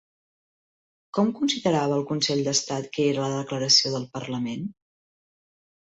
Com considerava el Consell d'Estat que era la declaració del parlament?